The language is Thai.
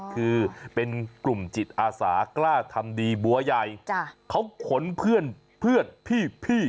คือเป็นกลุ่มจิตอาสากล้าทำดีบัวใหญ่เขาขนเพื่อนเพื่อนพี่